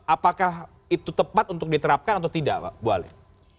apakah itu tepat untuk diterapkan atau tidak pak bu halim